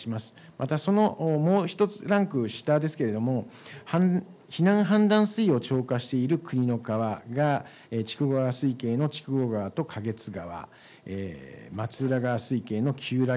また、そのもう１つ、ランク下ですけれども、避難氾濫水位を超過している国の川が筑後川水系の筑後川とかげつ川。